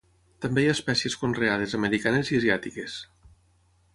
També hi ha espècies conreades americanes i asiàtiques.